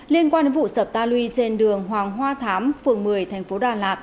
liên quan đến vụ sập ta luy trên đường hoàng hoa thám phường một mươi thành phố đà lạt